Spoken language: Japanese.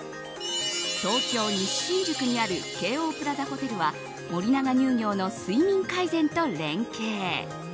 東京・西新宿にある京王プラザホテルは森永乳業の睡眠改善と連携。